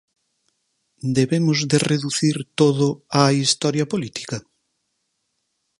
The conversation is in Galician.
Debemos de reducir todo á historia política?